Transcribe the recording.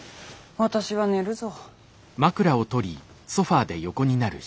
私は寝るぞ。